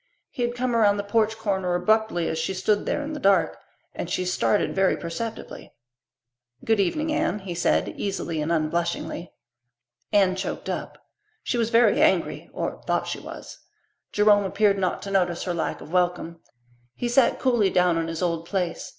He had come around the porch corner abruptly as she stood there in the dusk, and she started very perceptibly. "Good evening, Anne," he said, easily and unblushingly. Anne choked up. She was very angry, or thought she was. Jerome appeared not to notice her lack of welcome. He sat coolly down in his old place.